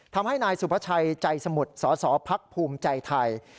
ทำให้นายสุพชัยใจสมุทรสภพใจไทย